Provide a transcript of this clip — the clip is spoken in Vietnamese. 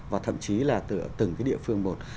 và thậm chí là từng cái địa phương một